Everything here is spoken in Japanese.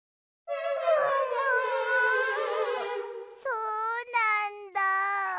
そうなんだ。